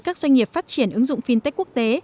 các doanh nghiệp phát triển ứng dụng fintech quốc tế